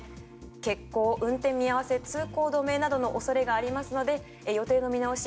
欠航、運転見合わせ通行止めなどの恐れがありますので予定の見直し